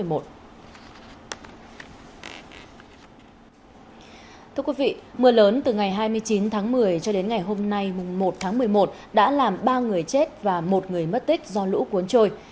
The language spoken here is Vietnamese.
thưa quý vị mưa lớn từ ngày hai mươi chín tháng một mươi cho đến ngày hôm nay một tháng một mươi một đã làm ba người chết và một người mất tích do lũ cuốn trôi